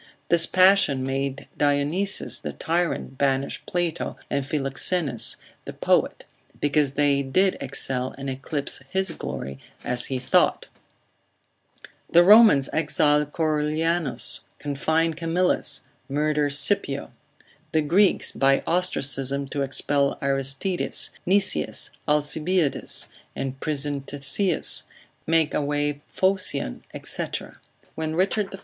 This passion made Dionysius the tyrant banish Plato and Philoxenus the poet, because they did excel and eclipse his glory, as he thought; the Romans exile Coriolanus, confine Camillus, murder Scipio; the Greeks by ostracism to expel Aristides, Nicias, Alcibiades, imprison Theseus, make away Phocion, &c. When Richard I.